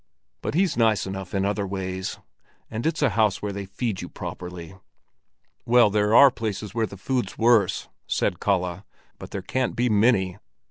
But he's nice enough in other ways; and it's a house where they feed you properly." "Well, there are places where the food's worse," said Kalle, "but there can't be many.